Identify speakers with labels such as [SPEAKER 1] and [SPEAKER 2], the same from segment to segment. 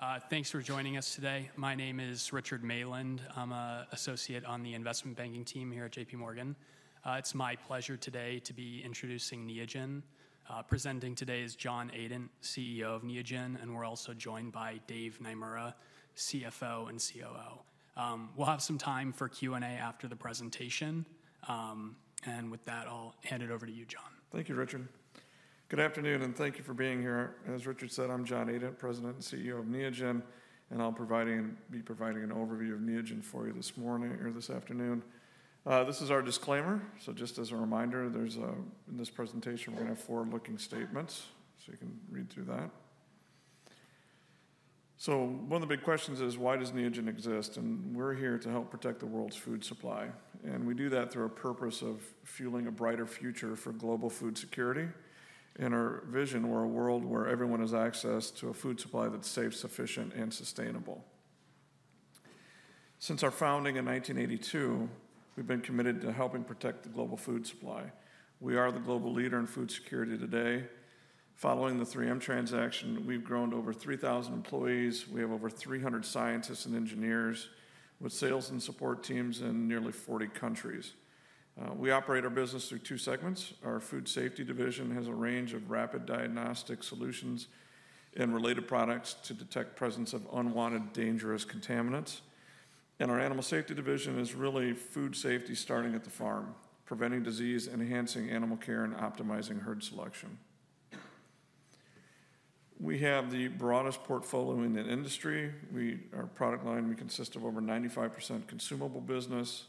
[SPEAKER 1] Good afternoon, everyone. Thanks for joining us today. My name is Richard Meland. I'm an Associate on the investment banking team here at JPMorgan. It's my pleasure today to be introducing Neogen. Presenting today is John Adent, CEO of Neogen, and we're also joined by Dave Naemura, CFO and COO. We'll have some time for Q&A after the presentation, and with that, I'll hand it over to you, John.
[SPEAKER 2] Thank you, Richard. Good afternoon, and thank you for being here. As Richard said, I'm John Adent, President and CEO of Neogen, and I'll be providing an overview of Neogen for you this morning or this afternoon. This is our disclaimer. So just as a reminder, in this presentation, we're going to have forward-looking statements, so you can read through that. So one of the big questions is, why does Neogen exist? And we're here to help protect the world's food supply. And we do that through our purpose of fueling a brighter future for global food security and our vision for a world where everyone has access to a food supply that's safe, sufficient, and sustainable. Since our founding in 1982, we've been committed to helping protect the global food supply. We are the global leader in food security today. Following the 3M transaction, we've grown to over 3,000 employees. We have over 300 scientists and engineers with sales and support teams in nearly 40 countries. We operate our business through two segments. Our food safety division has a range of rapid diagnostic solutions and related products to detect the presence of unwanted, dangerous contaminants, and our animal safety division is really food safety starting at the farm, preventing disease, enhancing animal care, and optimizing herd selection. We have the broadest portfolio in the industry. Our product line consists of over 95% consumable business.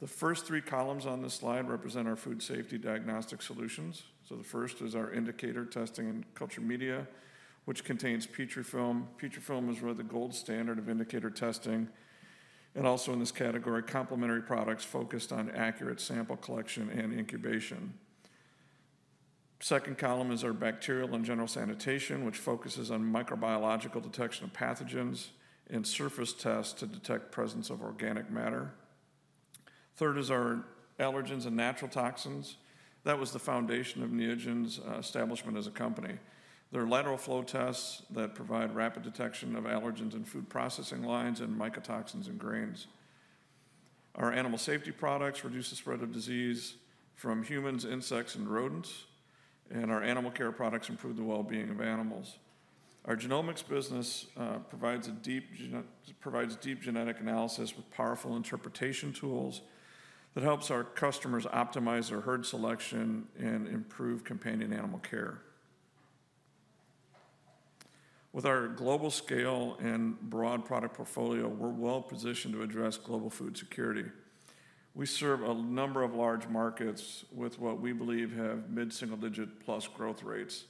[SPEAKER 2] The first three columns on this slide represent our food safety diagnostic solutions, so the first is our indicator testing and culture media, which contains Petrifilm. Petrifilm is really the gold standard of indicator testing, and also in this category, complementary products focused on accurate sample collection and incubation. The second column is our bacterial and general sanitation, which focuses on microbiological detection of pathogens and surface tests to detect the presence of organic matter. The third is our allergens and natural toxins. That was the foundation of Neogen's establishment as a company. There are lateral flow tests that provide rapid detection of allergens in food processing lines and mycotoxins in grains. Our animal safety products reduce the spread of disease from humans, insects, and rodents, and our animal care products improve the well-being of animals. Our genomics business provides deep genetic analysis with powerful interpretation tools that help our customers optimize their herd selection and improve companion animal care. With our global scale and broad product portfolio, we're well positioned to address global food security. We serve a number of large markets with what we believe have mid-single-digit plus growth rates.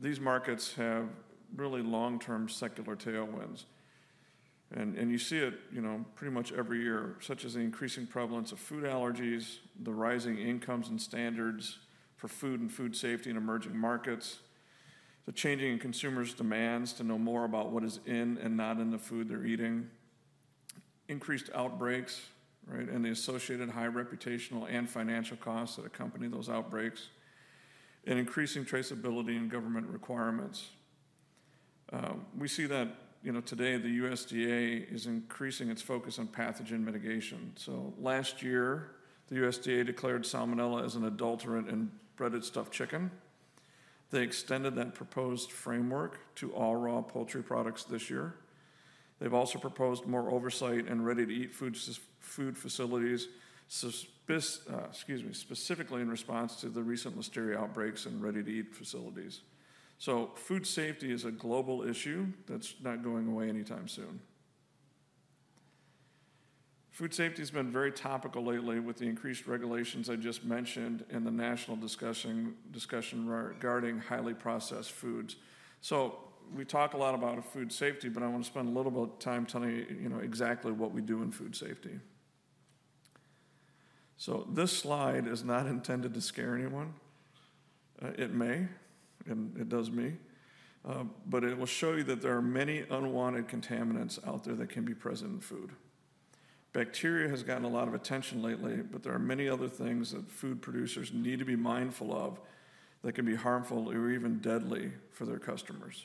[SPEAKER 2] These markets have really long-term secular tailwinds. And you see it pretty much every year, such as the increasing prevalence of food allergies, the rising incomes and standards for food and food safety in emerging markets, the changing consumers' demands to know more about what is in and not in the food they're eating, increased outbreaks, and the associated high reputational and financial costs that accompany those outbreaks, and increasing traceability and government requirements. We see that today the USDA is increasing its focus on pathogen mitigation. So last year, the USDA declared Salmonella as an adulterant in breaded stuffed chicken. They extended that proposed framework to all raw poultry products this year. They've also proposed more oversight in ready-to-eat food facilities, specifically in response to the recent Listeria outbreaks in ready-to-eat facilities. So food safety is a global issue that's not going away anytime soon. Food safety has been very topical lately with the increased regulations I just mentioned in the national discussion regarding highly processed foods. So we talk a lot about food safety, but I want to spend a little bit of time telling you exactly what we do in food safety. So this slide is not intended to scare anyone. It may, and it does me. But it will show you that there are many unwanted contaminants out there that can be present in food. Bacteria has gotten a lot of attention lately, but there are many other things that food producers need to be mindful of that can be harmful or even deadly for their customers.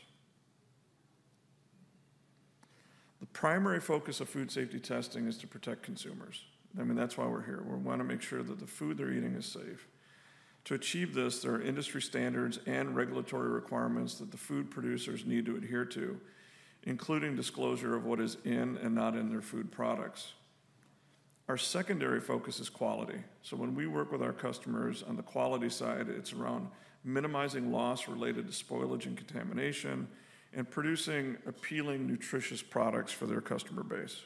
[SPEAKER 2] The primary focus of food safety testing is to protect consumers. I mean, that's why we're here. We want to make sure that the food they're eating is safe. To achieve this, there are industry standards and regulatory requirements that the food producers need to adhere to, including disclosure of what is in and not in their food products. Our secondary focus is quality, so when we work with our customers on the quality side, it's around minimizing loss related to spoilage and contamination and producing appealing, nutritious products for their customer base.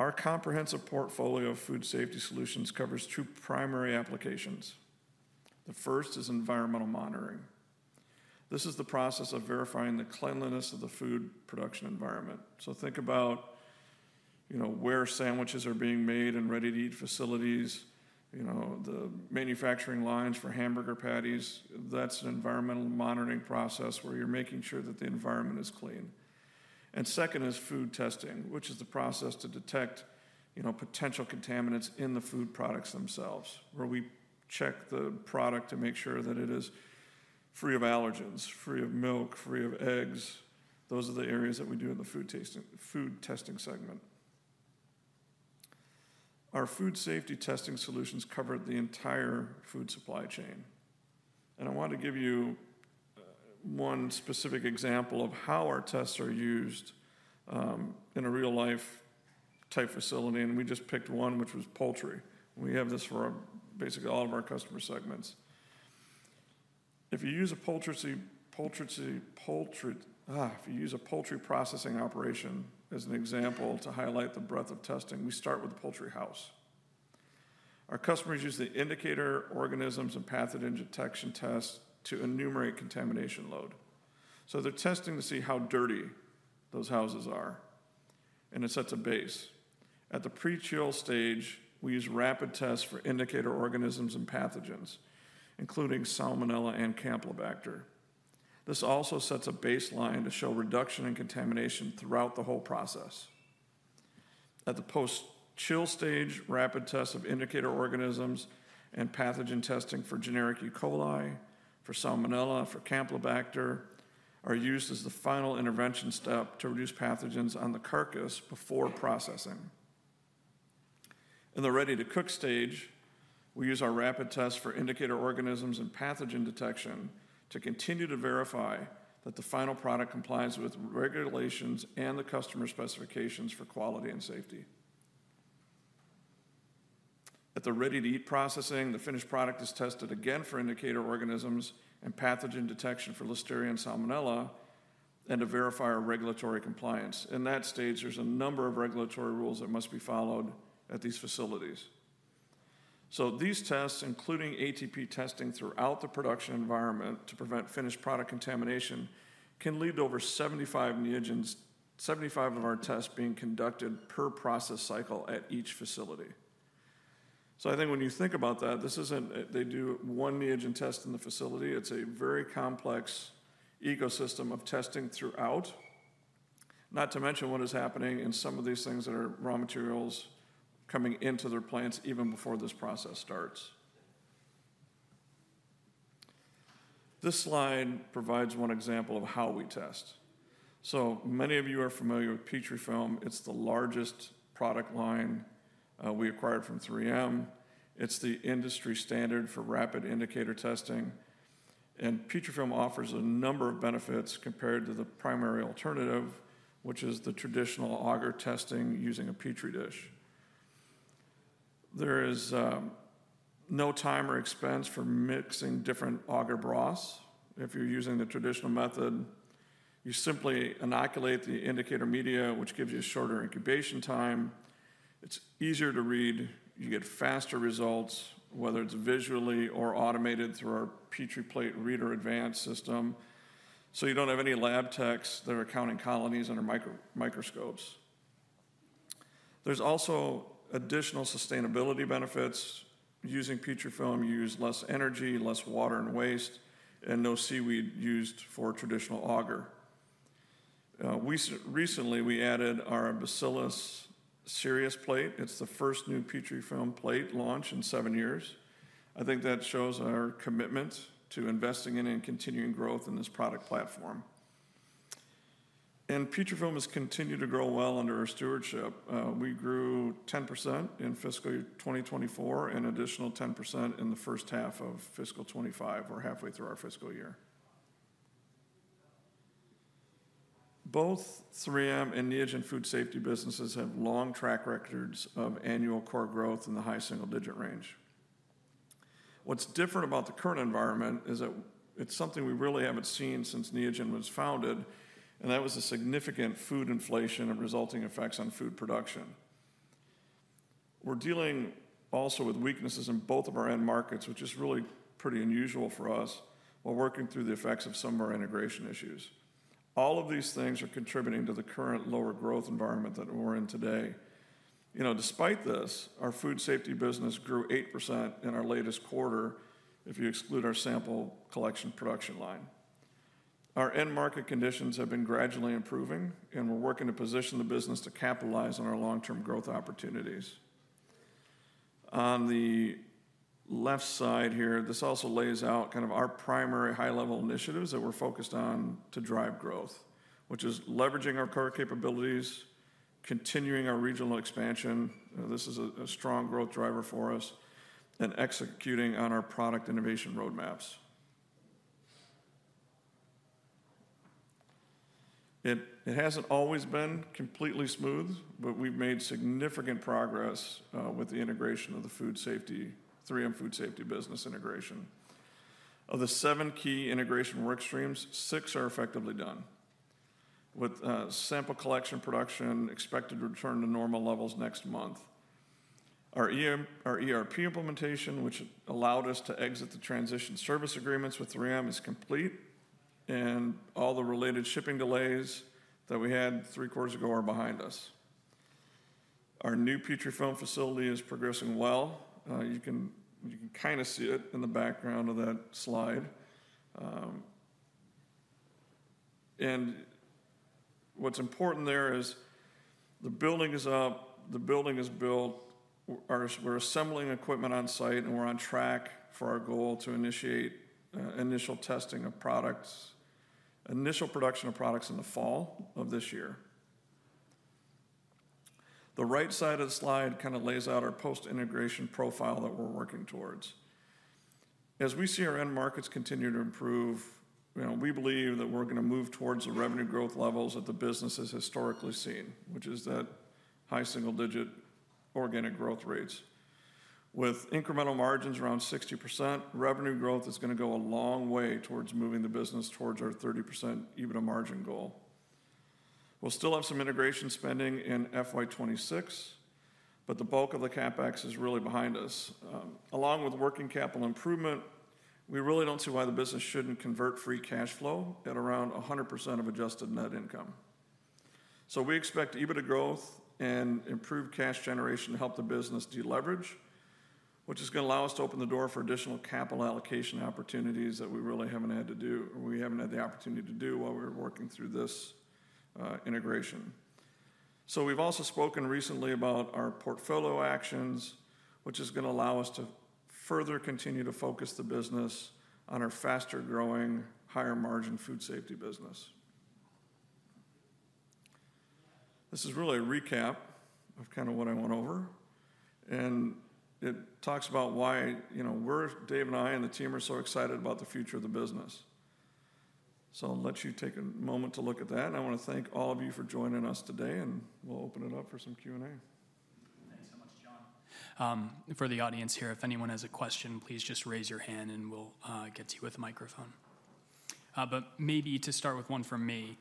[SPEAKER 2] Our comprehensive portfolio of food safety solutions covers two primary applications. The first is environmental monitoring. This is the process of verifying the cleanliness of the food production environment, so think about where sandwiches are being made in ready-to-eat facilities, the manufacturing lines for hamburger patties. That's an environmental monitoring process where you're making sure that the environment is clean. Second is food testing, which is the process to detect potential contaminants in the food products themselves, where we check the product to make sure that it is free of allergens, free of milk, free of eggs. Those are the areas that we do in the food testing segment. Our food safety testing solutions cover the entire food supply chain. I want to give you one specific example of how our tests are used in a real-life-type facility. We just picked one, which was poultry. We have this for basically all of our customer segments. If you use a poultry processing operation, as an example to highlight the breadth of testing, we start with the poultry house. Our customers use the indicator organisms and pathogen detection tests to enumerate contamination load. So they're testing to see how dirty those houses are. It sets a base. At the pre-chill stage, we use rapid tests for indicator organisms and pathogens, including Salmonella and Campylobacter. This also sets a baseline to show reduction in contamination throughout the whole process. At the post-chill stage, rapid tests of indicator organisms and pathogen testing for generic E. coli, for Salmonella, for Campylobacter are used as the final intervention step to reduce pathogens on the carcass before processing. In the ready-to-cook stage, we use our rapid tests for indicator organisms and pathogen detection to continue to verify that the final product complies with regulations and the customer specifications for quality and safety. At the ready-to-eat processing, the finished product is tested again for indicator organisms and pathogen detection for Listeria and Salmonella and to verify our regulatory compliance. In that stage, there's a number of regulatory rules that must be followed at these facilities. These tests, including ATP testing throughout the production environment to prevent finished product contamination, can lead to over 75% of our tests being conducted per process cycle at each facility. So I think when you think about that, they do one Neogen test in the facility. It's a very complex ecosystem of testing throughout, not to mention what is happening in some of these things that are raw materials coming into their plants even before this process starts. This slide provides one example of how we test. So many of you are familiar with Petrifilm. It's the largest product line we acquired from 3M. It's the industry standard for rapid indicator testing. And Petrifilm offers a number of benefits compared to the primary alternative, which is the traditional agar testing using a Petri dish. There is no time or expense for mixing different agar broths. If you're using the traditional method, you simply inoculate the indicator media, which gives you a shorter incubation time. It's easier to read. You get faster results, whether it's visually or automated through our Petrifilm Plate Reader Advanced system. So you don't have any lab techs that are counting colonies under microscopes. There's also additional sustainability benefits. Using Petrifilm, you use less energy, less water and waste, and no seaweed used for traditional agar. Recently, we added our Bacillus cereus plate. It's the first new Petrifilm plate launch in seven years. I think that shows our commitment to investing in and continuing growth in this product platform. And Petrifilm has continued to grow well under our stewardship. We grew 10% in fiscal year 2024 and an additional 10% in the first half of fiscal 2025, or halfway through our fiscal year. Both 3M and Neogen food safety businesses have long track records of annual core growth in the high single-digit range. What's different about the current environment is that it's something we really haven't seen since Neogen was founded, and that was a significant food inflation and resulting effects on food production. We're dealing also with weaknesses in both of our end markets, which is really pretty unusual for us, while working through the effects of some of our integration issues. All of these things are contributing to the current lower growth environment that we're in today. Despite this, our food safety business grew 8% in our latest quarter if you exclude our sample collection production line. Our end market conditions have been gradually improving, and we're working to position the business to capitalize on our long-term growth opportunities. On the left side here, this also lays out kind of our primary high-level initiatives that we're focused on to drive growth, which is leveraging our core capabilities, continuing our regional expansion. This is a strong growth driver for us, and executing on our product innovation roadmaps. It hasn't always been completely smooth, but we've made significant progress with the integration of the 3M food safety business. Of the seven key integration work streams, six are effectively done, with sample collection production expected to return to normal levels next month. Our ERP implementation, which allowed us to exit the transition service agreements with 3M, is complete, and all the related shipping delays that we had three quarters ago are behind us. Our new Petrifilm facility is progressing well. You can kind of see it in the background of that slide. What's important there is the building is up, the building is built, we're assembling equipment on site, and we're on track for our goal to initiate initial testing of products, initial production of products in the fall of this year. The right side of the slide kind of lays out our post-integration profile that we're working towards. As we see our end markets continue to improve, we believe that we're going to move towards the revenue growth levels that the business has historically seen, which is that high single-digit organic growth rates. With incremental margins around 60%, revenue growth is going to go a long way towards moving the business towards our 30% EBITDA margin goal. We'll still have some integration spending in FY 2026, but the bulk of the CapEx is really behind us. Along with working capital improvement, we really don't see why the business shouldn't convert free cash flow at around 100% of adjusted net income. So we expect EBITDA growth and improved cash generation to help the business deleverage, which is going to allow us to open the door for additional capital allocation opportunities that we really haven't had to do, or we haven't had the opportunity to do while we were working through this integration. So we've also spoken recently about our portfolio actions, which is going to allow us to further continue to focus the business on our faster-growing, higher-margin food safety business. This is really a recap of kind of what I went over. And it talks about why Dave and I and the team are so excited about the future of the business. So I'll let you take a moment to look at that. I want to thank all of you for joining us today, and we'll open it up for some Q&A.
[SPEAKER 1] Thanks so much, John. For the audience here, if anyone has a question, please just raise your hand, and we'll get to you with a microphone. But maybe to start with one from me.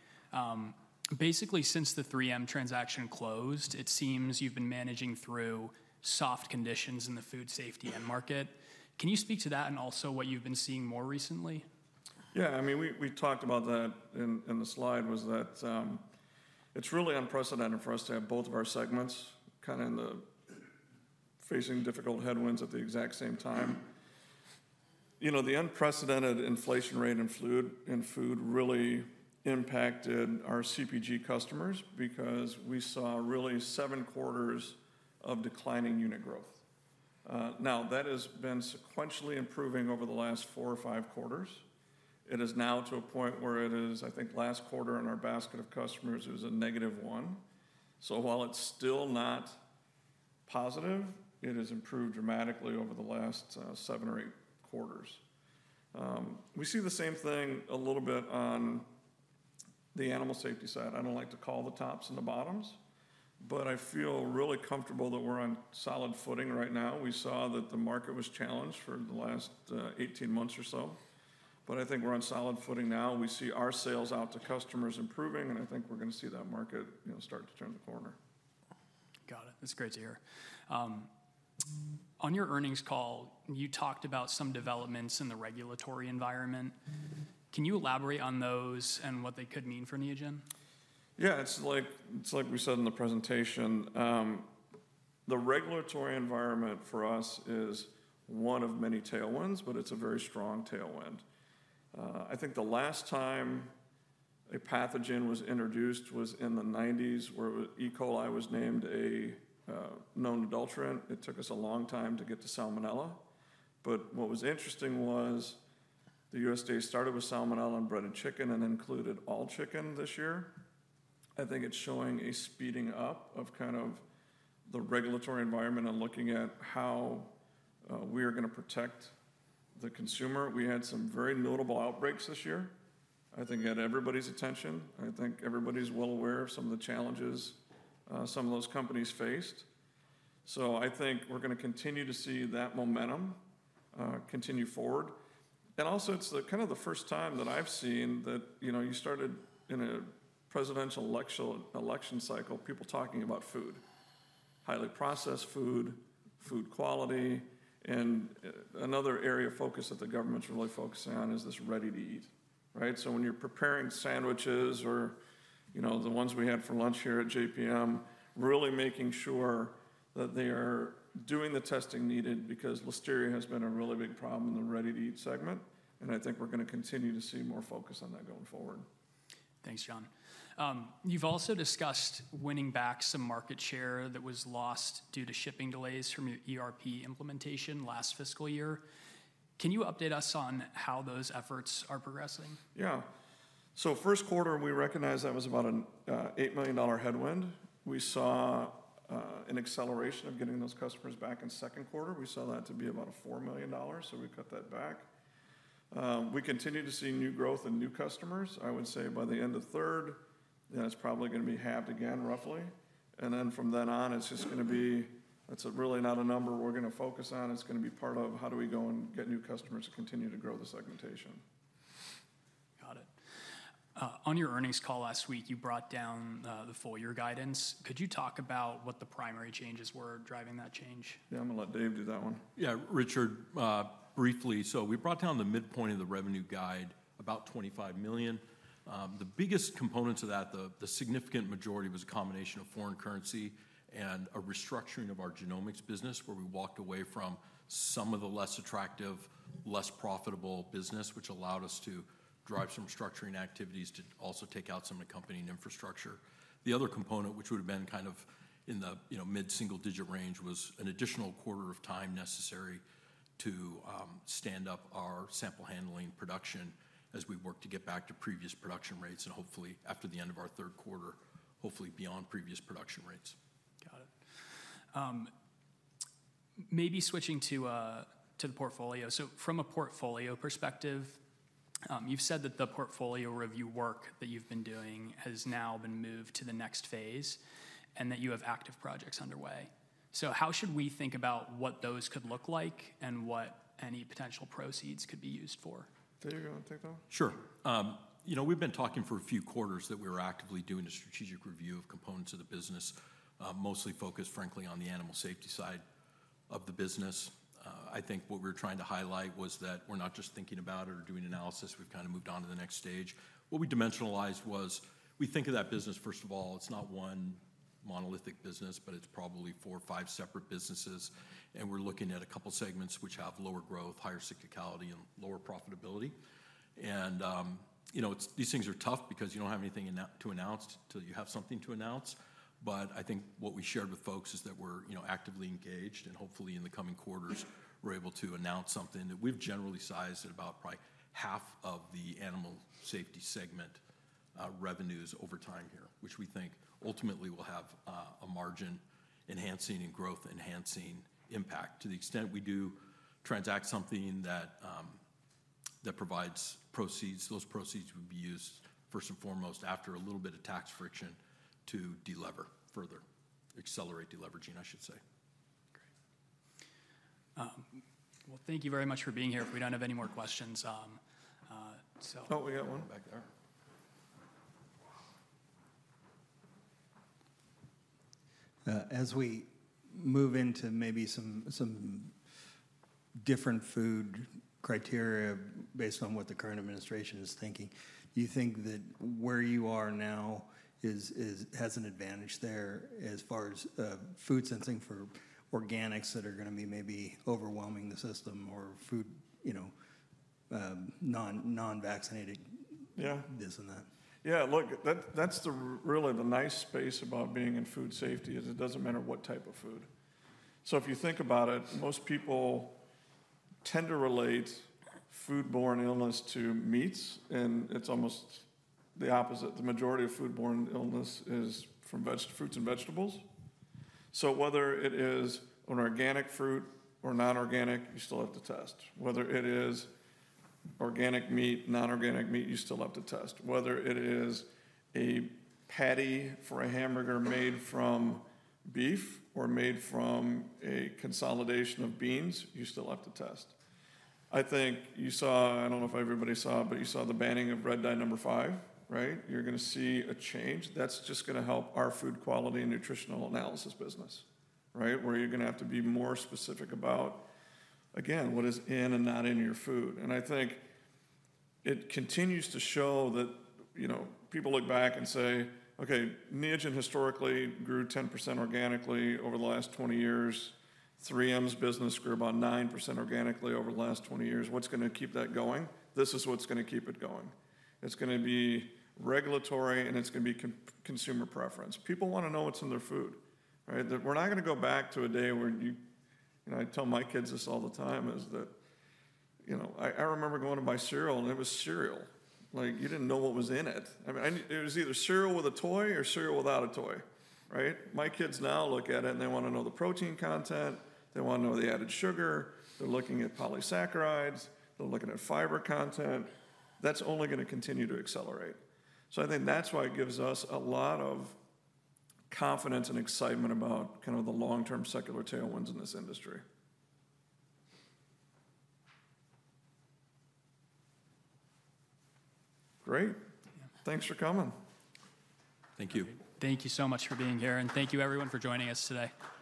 [SPEAKER 1] Basically, since the 3M transaction closed, it seems you've been managing through soft conditions in the food safety end market. Can you speak to that and also what you've been seeing more recently?
[SPEAKER 2] Yeah. I mean, we talked about that in the slide, was that it's really unprecedented for us to have both of our segments kind of facing difficult headwinds at the exact same time. The unprecedented inflation rate in food really impacted our CPG customers because we saw really seven quarters of declining unit growth. Now, that has been sequentially improving over the last four or five quarters. It is now to a point where it is, I think, last quarter in our basket of customers is a negative one. So while it's still not positive, it has improved dramatically over the last seven or eight quarters. We see the same thing a little bit on the animal safety side. I don't like to call the tops and the bottoms, but I feel really comfortable that we're on solid footing right now. We saw that the market was challenged for the last 18 months or so. But I think we're on solid footing now. We see our sales out to customers improving, and I think we're going to see that market start to turn the corner.
[SPEAKER 1] Got it. That's great to hear. On your earnings call, you talked about some developments in the regulatory environment. Can you elaborate on those and what they could mean for Neogen?
[SPEAKER 2] Yeah. It's like we said in the presentation. The regulatory environment for us is one of many tailwinds, but it's a very strong tailwind. I think the last time a pathogen was introduced was in the 1990s where E. coli was named a known adulterant. It took us a long time to get to Salmonella. But what was interesting was the USDA started with Salmonella and breaded chicken and included all chicken this year. I think it's showing a speeding up of kind of the regulatory environment and looking at how we are going to protect the consumer. We had some very notable outbreaks this year. I think it had everybody's attention. I think everybody's well aware of some of the challenges some of those companies faced. So I think we're going to continue to see that momentum continue forward. And also, it's kind of the first time that I've seen that you started in a presidential election cycle, people talking about food, highly processed food, food quality. And another area of focus that the government's really focusing on is this ready-to-eat, right? So when you're preparing sandwiches or the ones we had for lunch here at JPM, really making sure that they are doing the testing needed because Listeria has been a really big problem in the ready-to-eat segment. And I think we're going to continue to see more focus on that going forward.
[SPEAKER 1] Thanks, John. You've also discussed winning back some market share that was lost due to shipping delays from your ERP implementation last fiscal year. Can you update us on how those efforts are progressing?
[SPEAKER 2] Yeah. So, first quarter, we recognized that was about an $8 million headwind. We saw an acceleration of getting those customers back in second quarter. We saw that to be about a $4 million. So we cut that back. We continue to see new growth and new customers. I would say by the end of third, that's probably going to be halved again, roughly. And then from then on, it's just going to be that's really not a number we're going to focus on. It's going to be part of how do we go and get new customers to continue to grow the segmentation.
[SPEAKER 1] Got it. On your earnings call last week, you brought down the full year guidance. Could you talk about what the primary changes were driving that change?
[SPEAKER 2] Yeah. I'm going to let Dave do that one.
[SPEAKER 3] Yeah. Richard, briefly. So we brought down the midpoint of the revenue guide about $25 million. The biggest components of that, the significant majority was a combination of foreign currency and a restructuring of our genomics business where we walked away from some of the less attractive, less profitable business, which allowed us to drive some restructuring activities to also take out some of the company and infrastructure. The other component, which would have been kind of in the mid-single-digit range, was an additional quarter of time necessary to stand up our sample handling production as we work to get back to previous production rates and hopefully after the end of our third quarter, hopefully beyond previous production rates.
[SPEAKER 1] Got it. Maybe switching to the portfolio. So from a portfolio perspective, you've said that the portfolio review work that you've been doing has now been moved to the next phase and that you have active projects underway. So how should we think about what those could look like and what any potential proceeds could be used for?
[SPEAKER 2] Dave, you want to take that one?
[SPEAKER 3] Sure. We've been talking for a few quarters that we were actively doing a strategic review of components of the business, mostly focused, frankly, on the animal safety side of the business. I think what we were trying to highlight was that we're not just thinking about it or doing analysis. We've kind of moved on to the next stage. What we dimensionalized was we think of that business, first of all, it's not one monolithic business, but it's probably four or five separate businesses. We're looking at a couple of segments which have lower growth, higher cyclicality, and lower profitability. These things are tough because you don't have anything to announce until you have something to announce. I think what we shared with folks is that we're actively engaged and hopefully in the coming quarters, we're able to announce something that we've generally sized at about probably half of the animal safety segment revenues over time here, which we think ultimately will have a margin enhancing and growth-enhancing impact to the extent we do transact something that provides proceeds. Those proceeds would be used first and foremost after a little bit of tax friction to delever further, accelerate deleveraging, I should say.
[SPEAKER 1] Great. Thank you very much for being here. If we don't have any more questions, so.
[SPEAKER 2] Oh, we got one back there. As we move into maybe some different food criteria based on what the current administration is thinking, do you think that where you are now has an advantage there as far as food sensing for organics that are going to be maybe overwhelming the system or non-vaccinated this and that? Yeah. Look, that's really the nice space about being in food safety is it doesn't matter what type of food. So if you think about it, most people tend to relate foodborne illness to meats, and it's almost the opposite. The majority of foodborne illness is from fruits and vegetables. So whether it is an organic fruit or non-organic, you still have to test. Whether it is organic meat, non-organic meat, you still have to test. Whether it is a patty for a hamburger made from beef or made from a consolidation of beans, you still have to test. I think you saw, I don't know if everybody saw, but you saw the banning of Red Dye Number 5, right? You're going to see a change. That's just going to help our food quality and nutritional analysis business, right? Where you're going to have to be more specific about, again, what is in and not in your food. And I think it continues to show that people look back and say, okay, Neogen historically grew 10% organically over the last 20 years. 3M's business grew about 9% organically over the last 20 years. What's going to keep that going? This is what's going to keep it going. It's going to be regulatory, and it's going to be consumer preference. People want to know what's in their food, right? We're not going to go back to a day where you, and I tell my kids this all the time, is that I remember going to buy cereal, and it was cereal. You didn't know what was in it. It was either cereal with a toy or cereal without a toy, right? My kids now look at it, and they want to know the protein content. They want to know the added sugar. They're looking at polysaccharides. They're looking at fiber content. That's only going to continue to accelerate. So I think that's why it gives us a lot of confidence and excitement about kind of the long-term secular tailwinds in this industry. Great. Thanks for coming. Thank you.
[SPEAKER 1] Thank you so much for being here, and thank you, everyone, for joining us today. Thank you.